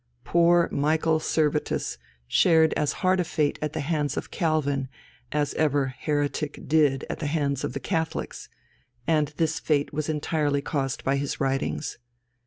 Poor Michael Servetus shared as hard a fate at the hands of Calvin, as ever "heretic" did at the hands of the Catholics; and this fate was entirely caused by his writings.